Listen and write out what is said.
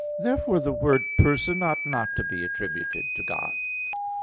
Therefore the word "person" ought not to be attributed to God.